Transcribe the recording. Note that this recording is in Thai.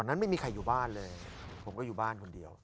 นั้นไม่มีใครอยู่บ้านเลยผมก็อยู่บ้านคนเดียว